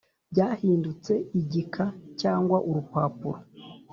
byahindutse igika cyangwa urupapuro.